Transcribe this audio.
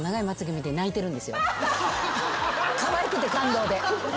かわいくて感動で。